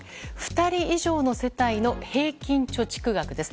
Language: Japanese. ２人以上の世帯の平均貯蓄額です。